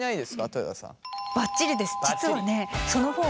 豊田さん。